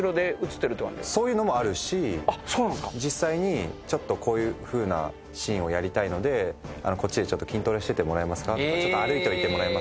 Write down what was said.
そういうのもあるし実際にちょっとこういうふうなシーンをやりたいのでこっちでちょっと筋トレしててもらえますかとかちょっと歩いといてもらえますかとか。